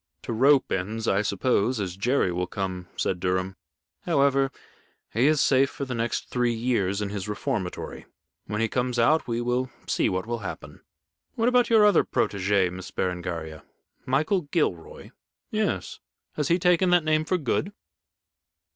"To rope ends, I suppose, as Jerry will come," said Durham. "However, he is safe for the next three years in his reformatory. When he comes out, we will see what will happen. What about your other protégé, Miss Berengaria." "Michael Gilroy?" "Yes. Has he taken that name for good?"